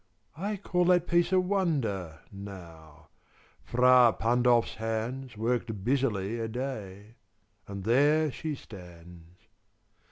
I call That piece a wonder, now: Fra Pandolf's hands Worked busily a day, and there she stands.